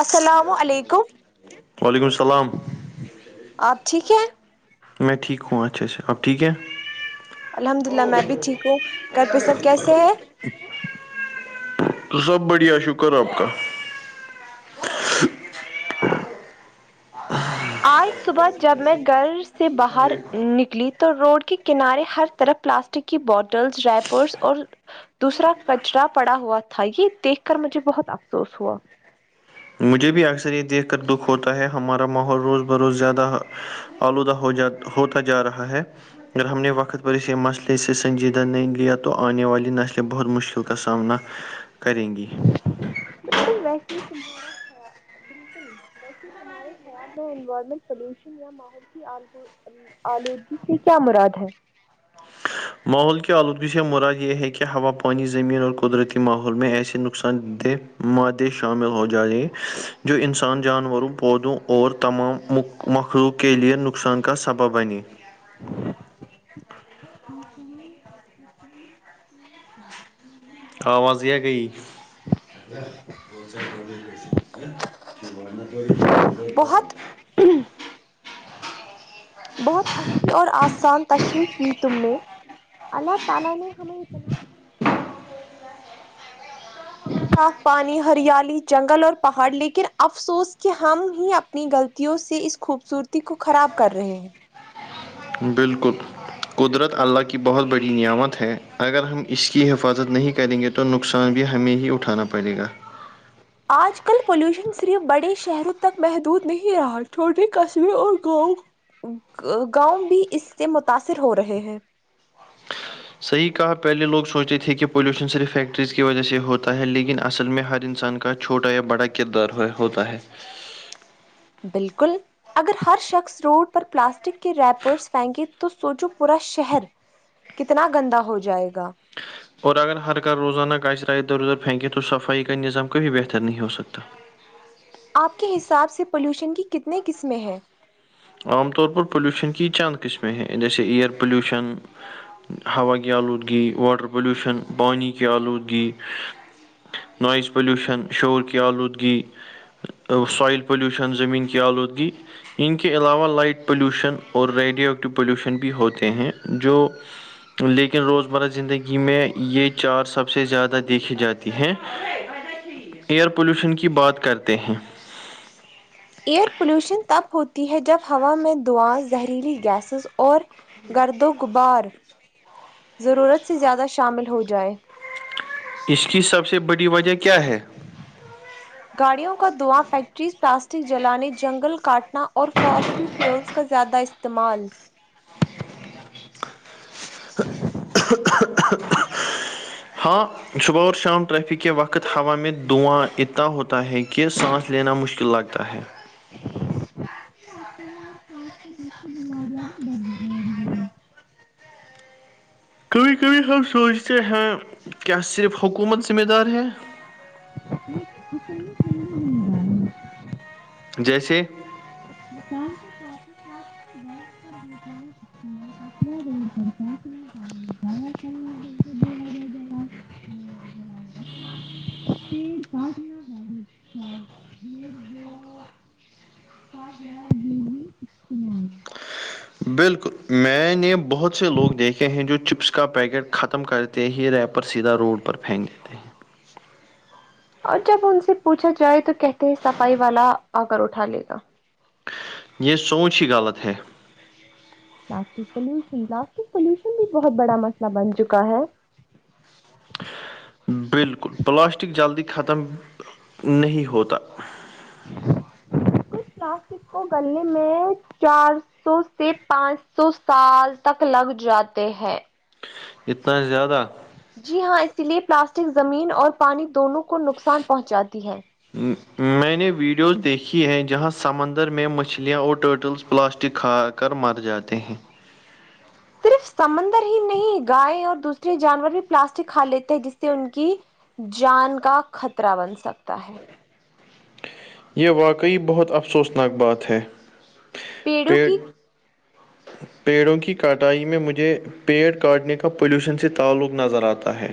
السلام و علیکم وعلیکم السلام آپ ٹھیک ہیں میں ٹھیک ہوں اچھا اچھا آپ ٹھیک ہے الحمداللہ میں بھی ٹھیک ہوں گھر پہ سب کیسے ہے تو سب بڑھیا شکر آپ کا آج صبح جب میں گھر سے باہر نکلی تو روڈ کے کنارے ہر طرف پلاسٹک کی بوٹلس رائپرس اور دوسرا کچرا پڑا ہوا تھا یہ دیکھ کر مجھے بہت افسوس ہوا مجھے بھی اکثر یہ دیکھ کر دکھ ہوتا ہے ہمارا ماحول روز بہ روز زیادہ آلودہ ہو جا ہوتا جا رہا ہے اگر ہم نے وقت پر اسے مسئلے سے سنجیدہ نہیں لیا تو آنے والی نسلیں بہت مشکل کا سامنا کریں گی ویسی تمہارا خیال بالکل ویسی تمہارے خیال میں انوائرمنٹ پولوشن یا ماحول کی آلود آل آلودگی سے کیا مراد ہے ماحول کی آلودگی سے مراد یہ ہے کہ ہوا پانی زمین اور قدرتی ماحول میں ایسے نقصان دہ مادے شامل ہو جائے جو انسان جانوروں پودوں اور تمام مخلوق کے لیے نقصان کا سبب بنے آواز یا گئی بہت [unintelligible] بہت اچھی اور آسان تشریح کی تم نے اللہ تعالی نے ہمیں اتنا صاف پانی ہریالی جنگل اور پہاڑ لیکن افسوس کہ ہم ہی اپ نی غلطیوں سے اس خوبصورتی کو خراب کر رہے ہیں بالکل قدرت اللہ کی بہت بڑی نعمت ہے اگر ہم اس کی حفاظت نہیں کریں گے تو تو نقصان بھی ہمیں ہی اٹھانا پڑے گا آج کل پولوشن صرف بڑے شہروں تک محدود نہیں رہا چھوٹے قصبے اور گاؤں گاؤں بھی اس سے متاثر ہو رہے ہیں صحیح کہا پہلے لوگ سوچتے تھے کہ پولوشن صرف فیکٹریز کی وجہ سے ہوتا ہے لیکن اصل میں ہر انسان کا چھوٹا یا بڑا کردار ہوتا ہے بالکل اگر ہر شخص روڈ پر پلاسٹک کے ریپرس پھینگے تو سچو پورا شہر کتنا گندا ہو جائے گا اور اگر ہرکا روزانہ کااسرائے ادھر ادھر پھینکیں تو صفائی کا نظام کبھی بہتر نہیں ہو سکتا آپ کے حساب سے پولیوشن کی کتنے قسمیں ہیں عام طور پر پولیوشن کی چند قسمیں ہیں جیسے ایئر پلیوشن ہوا کی آلودگی واٹر پلیوشن پانی کی آلودگی نوائز پلیوشن شور کی آلودگی سوائل پولیوشن زمین کی آلودگی ان کی اس کے علاوہ لائٹ پولیوشن اور ریڈیو ایکٹیو پولیوشن بھی ہوتے ہیں جو لیکن روزمرہ زندگی میں یہ چار سب سے زیادہ دیکھی جاتی ہیں ایئر پولوشن کی بات کرتے ہیں ایئر پلیوشن تب ہوتی ہے جب ہوا میں دھواں زہریلی گیسز اور گرد و غبار ضرورت سے زیادہ شامل ہو جائے اس کی سب سے بڑی وجہ کیا ہے گاڑیوں کا دھواں فیکٹریز پلاسٹک جلانے جنگل کاٹ ٹنا اور فاسٹل فیولس کا زیادہ استعمال ہاں صبح اور شام ٹریفک کے وقت ہوا میں دھواں اتتا ہوتا ہے کہ سانس لینا مشکل لگتا ہے یہ آس ب تو آس [inaudible] بیماریاں بھی بڑھ نے لگتی ہے کبھی کبھی ہم سوچتے ہیں کیا صرف حکومت ذمہ دار ہے نہیں حکومت نہیں ہے ذمہ دار رہی جیسے طورگ کا استعمال کر ہ ضائ کرنا ب ہارال [unintelligible] مائی میروم کا [unintelligible] پھر [unintelligible] کہس سی غیر ضروری استعمال بالکل میں نے بہت سے لوگ دیکھے ہیں جو چپس کا پیکٹ ختم کر ت ہی ریپر سیدھا روڈ پر پھینک دیتے تھے اور جب ان سے پوچھا جائے تو کہتے ہیں صفائی والا آ کر اٹھا لے گا یہ سوچ ہی غلط ہے پلاسٹک پولوشن پلاسٹک پولوشن بھی بہت بڑا مسئلہ بن چکا ہے بالکل پلاسٹک جلدی ختم نہیں ہوتا اس پلاسٹک کو گلنے میں چار سو سے پانچ سو سال تک لگ جاتے ہیں اتنا زیادہ جی ہاں اسی لیے پلاسٹک زمین اور پانی دونوں کو نقصان پہنچاتی ہے ہمم آ میں نے ویڈیوز دیکھی ہیں جہاں سمندر میں مچھلیاں اور ٹرٹلس پلاسٹک کھاک کر مر جاتے ہیں صرف سمندر ہی نہیں گائے اور دوسرے جانور بھی پلاسٹک کھا لیتے ہیں جس سے ان کی جان کا خطرہ بن سکتا ہے یہ واقعی بہت افسوسناک بات ہے پیڑوں پیٹ [unintelligible] پیڑوں کی کٹائی میں مجھے پیڑ کاٹنے کا پولیوشن سے تعلق نظر آتا ہے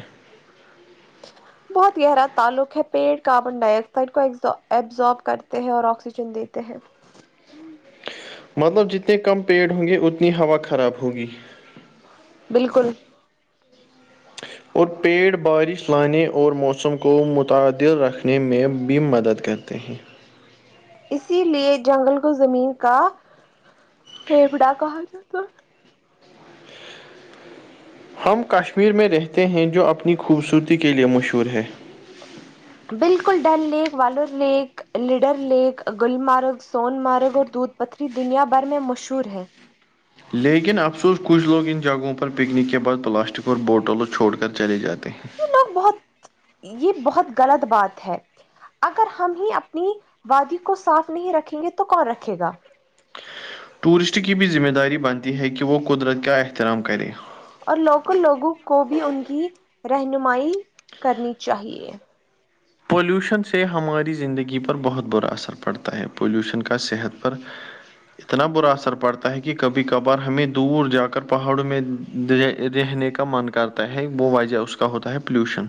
بہت گہرا تعلق ہے پیڑ کاربن ڈائی آکسائڈ کو ایبزارب کرتے ہیں اور آکسیجن دیتے ہیں مطلب جتنے کم پیڑ ہوں گے اتنی ہوا خراب ہوگی بالکل اور پیڑ بارش لانے اور موسم کو متعدر رکھنے میں بھی مدد کہتے ہیں اسی لیے جنگل کو زمین کا پھیپڑا کہا جاتا ہم کشمیر میں رہتے ہیں جو اپنی خوبصورتی کے لیے مشہور ہے بالکل Dal lake Wular lake Lidder lake گلمارو Sonamarg اور دودھ پتری دنیا بھر میں مشہور ہے لیکن افسوس کچھ لوگ ان جگہوں پر پکنک کے بعد پلاسٹک اور بوٹلوں چھوڑ کر چلے جاتے ہیں یہ بہت یہ بہت غلط بات ہے اگر ہم ہی اپنی وادی کو صاف نہیں رکھیں گے تو کون رکھے گا ٹورسٹ کی بھی ذمہ داری بنتی ہے کہ وہ قدرت کا احترام کرے اور لوکل لوگوں کو بھی ان کی رہنمائی کرنی چاہیے پلیوشن سے ہماری زندگی پر بہت برا اثر پڑتا ہے پولیوشن کا صحت پر اتنا برا اثر پڑتا ہے کہ کبھی کبھار ہمیں دور جا کر پہاڑوں میں رہنے کا من کرتا ہے وہ وجہ اس کا ہوتا ہے پلیوشن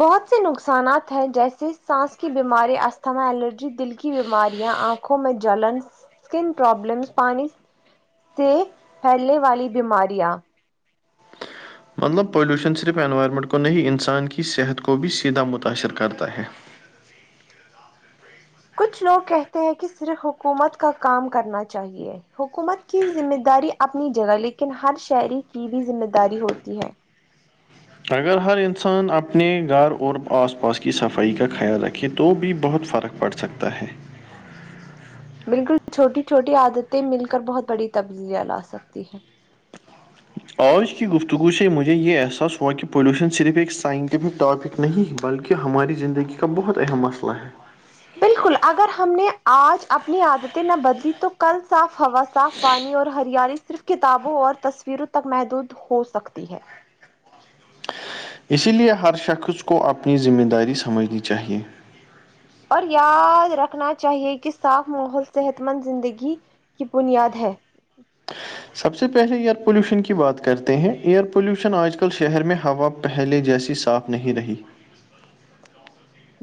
بہت سے نقصانات ہیں جیسے سانس کی بیماری استھما الرجی دل کی بیماریاں آکھ آنکھوں میں جلن اسکن پرابلمس پانی سے پھیلنے والی بیماریاں مطلب پولیوشن صرف انوائرمنٹ کو نہیں انسان کی صحت کو بھی سیدھا متاثر کرتا ہے کچھ لوگ کہتے ہیں کہ صرف حکومت کا کام کرنا چاہیے حکومت کی ذمہ داری اپنی جگہ لیکن ہر شہری کی بھی ذمہ داری ہوتی ہے اگر ہر انسان اپنے گھر اور آس پاس کی صفائی کا خیال رکھے تو بھی بہت فرق پڑھ سکتا ہے بالکل چھوٹی چھوٹی عادتیں مل کر بہت بڑی تبدیلیاں لا سکتی ہیں آج کی گفتگو سے مجھے یہ احساس ہوا کہ پولوشن صرف ایک سائنٹیفک ٹاپک نہیں بلکہ ہماری زندگی کا بہت اہم مسئلہ ہے بالکل اگر ہم نے آج اپنی عادتیں نہ بدلی تو کل صاف ہوا صاف پانی اور ہریالی صرف کتابوں اور تصویر تک محدود ہو سکتی ہے اسی لیے ہر شخص کو اپنی ذمہ داری سمجھنی چاہیے اور یاد رکھنا چاہیے کہ صاف ماحول صحت مند زندگی کی بنیاد ہے سب سے پہلے ایئر پولوشن کی بات کرتے ہیں ایئر پوولوشن آج کل شہر میں ہوا پہلے جیسی صاف نہیں رہی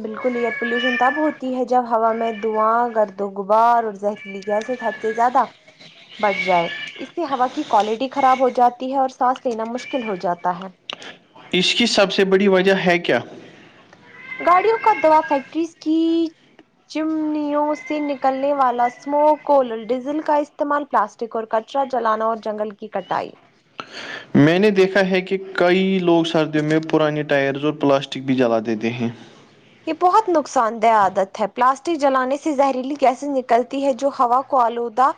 بالکل یہ پلیوشن تب ہوتی ہے جب ہوا میں دعاں گرد و غبار اور زہریلی گیس سے زیادہ بٹھ جائے اس سے ہوا کی کوالٹی خراب ہو جاتی ہے اور سانس لینا مشکل ہو جاتا ہے اس کی سب سے بڑی وجہ ہے کیا گاڑیوں کا دوا فیکٹریز کی چمنیوں سے نکلنے والا سموکول ڈیزل کا استعمال پلاسٹ اور کچرا جلانا اور جنگل کی کٹائی میں نے دیکھا ہے کہ کئی لوگ سردیوں میں پرانے ٹائرز اور پلاسٹک بھی جلا دیتے ہیں یہ بہت نقصان دہ آدت ہے پلاسٹک جلانے سے زہریلی گیسز نکلتی ہے جو ہوا کو آلودہ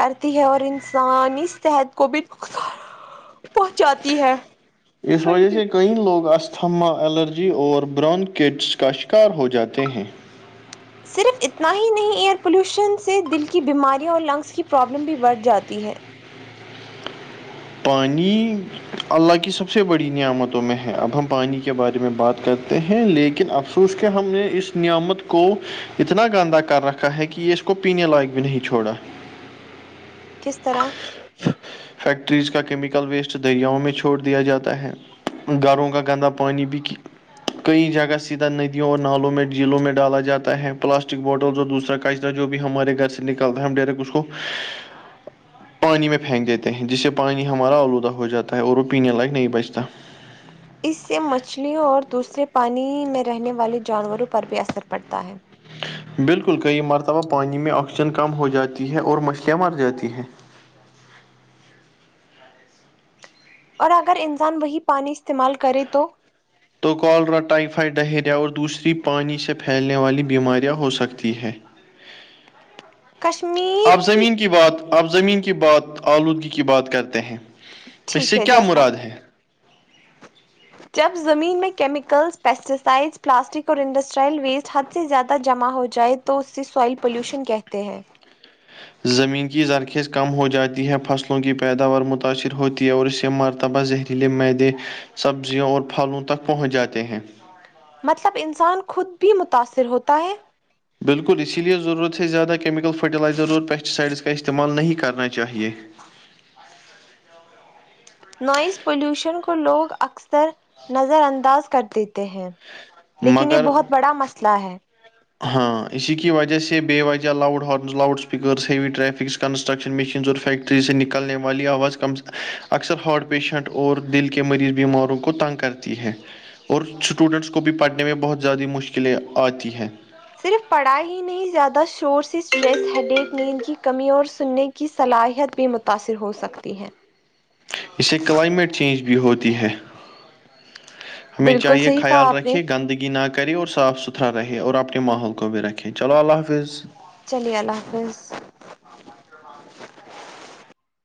کرتی ہے اور انسان اس صحت کو بھی پہنچاتی ہے اس وجہ سے کئی لوگ استھما الرجی اور براؤن کیڈس کا شکار ہو جاتے ہیں صرف اتنا ہی نہیں ایئر پولیوشن سے دل کی بیماریاں اور لنگس کی پرابلم بھی بڑھ جاتی ہے پانی اللہ کی سب سے بڑی نعمتوں میں ہے اب ہم پانی کے بارے میں بات کرتے ہیں لیکن اب تو اس کے ہم نے اس نعمت کو اتنا گندا کر رکھا ہے کہ یہ اس کو پینے لائق بھی نہیں چھوڑا کس طرح فیکٹریز کا کیمیکل ویسٹ دریاؤں میں چھوڑ دیا جاتا ہے گھروں کا گندا پانی بھی کئی جگہ سیدھا ندیوں اور نالوں میں جھیلوں میں ڈالا جاتا ہے پلاسٹک بوٹلس اور دوسرا کچ را جو بھی ہمارے گھر سے نکلتا ہے ہم ڈائریکٹ اس کو پانی میں پھینک دیتے ہیں جس سے پانی ہمارا آلودہ ہو جاتا ہے اور وہ پینے لائق نہیں بچتا اس سے مچھلیوں اور دوسرے پانی میں رہنے والے جانوروں پر بھی اثر پڑتا ہے بالکل کئی مرتبہ پانی میں آکسیجن کم ہو جاتی ہے اور مچھلیاں مر جاتی ہیں اور اگر انسان وہی پانی استعمال کرے تو تو کالرا ٹائفائڈ ڈہیریا اور دوسری پانی سے پھیلنے والی بیماریاں ہو سکتی ہے آپ زمین کی بات آپ زمین کی بات آلودگی کی بات کرتے ہیں اس ٹھیک سے ہے کیا جیسا مراد ہے جب زمین میں کیمیکلس پیسٹیسائڈس پلاسٹک اور انڈسٹرائل ویسٹ حد سے زیادہ جمع ہو جائے تو اس سے سوائل پولیوشن کہتے ہیں زمین کی زرخیز کم ہو جاتی ہے فصلوں کی پیداوار متاثر ہوتی ہے اور اس سے مرتبہ ذہنی دلے میدے سبزیوں اور پھلوں تک پہنچ جاتے ہیں مطلب انسان خود بھی متاثر ہوتا ہے بالکل اسی لیے ضرورت سے زیادہ کیمیکل فرٹیلائزر اور پیسٹی سائڈز کا استعمال نہیں کرنا چاہیے نوائز پلیوشن کو لوگ اکثر نظر انداز کر دیتے ہیں لیکن یہ مگر بہت بڑا مسئلہ ہے ہاں اسی کی وجہ سے بے وجہ loud horns loud speakers heavy traffics construction machines اور فیکٹری سے نکلنے والی آواز ک اکثر ہارٹ پیشنٹ اور دل کے مریض بیماروں کو تنگ کرتی ہے اور اسٹوڈنٹس کو بھی پڑھنے میں بہت زیادہ مشکلیں آتی ہیں صرف پڑھائی ہی نہیں زیادہ شور سے اسٹریس ہیڈیک نیند کی کمی اور سننے کی صلاحیت بھی متاثر ہو سکتی ہے اسے کلائمیٹ چینج بھی ہوتی ہے ہمیں بالکل چاہیے صحیح کہا خیال آپ نے رکھیے گندگی نہ کرے اور صاف ستھرا رہے اور آپ اپنے ماحول کو بھی رکھیں چلو اللہ حافظ چلیے اللہ حافظ